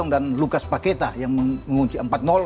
dan lucas paqueta yang mengunci empat